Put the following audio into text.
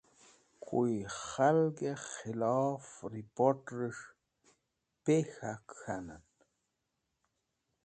Koy khalgẽ khilof riport̃rẽsh “pe k̃hak” k̃hanẽn